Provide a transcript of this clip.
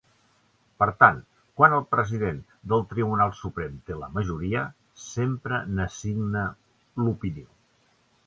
Per tant, quan el president del Tribunal Suprem té la majoria, sempre n'assigna l'opinió.